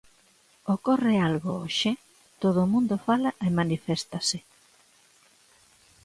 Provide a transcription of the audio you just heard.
Ocorre algo hoxe, todo o mundo fala e maniféstase.